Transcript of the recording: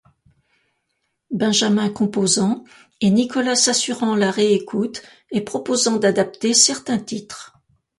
Benjamin composant et Nicolas s’assurant la réécoute et proposant d’adapter certains titres.